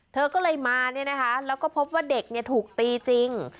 เธอก็เลยมาแล้วก็พบว่าเด็กถูกตีจริง